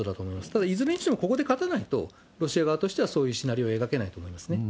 ただ、いずれにしてもここで勝たないと、ロシア側としてはそういうシナリオを描けないと思いますね。